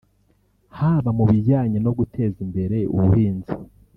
haba mu bijyanye no guteza imbere ubuhinzi